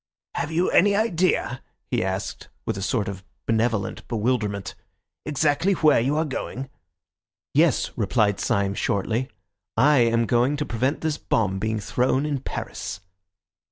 "Have you any idea," he asked, with a sort of benevolent bewilderment, "exactly where you are going?" "Yes," replied Syme shortly, "I am going to prevent this bomb being thrown in Paris."